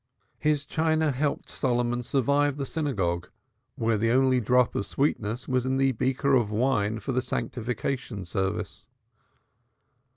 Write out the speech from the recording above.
His Chine helped Solomon to survive synagogue, where the only drop of sweetness was in the beaker of wine for the sanctification service.